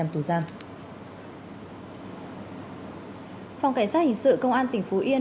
phòng cảnh sát hình sự công an tp yen